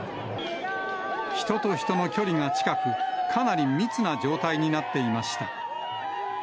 人と人の距離が近く、かなり密な状態になっていました。